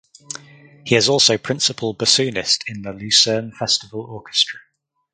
He is also principal bassoonist in the Lucerne Festival Orchestra.